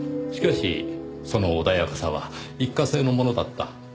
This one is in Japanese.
しかしその穏やかさは一過性のものだった？